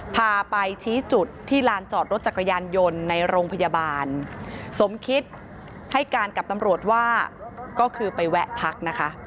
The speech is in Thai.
พาไปชี้จุดที่ลานจอดรถจักรยานยนต์ในโรงพยาบาลสมคิตให้การกับตำรวจว่าก็คือไปแวะพักนะคะ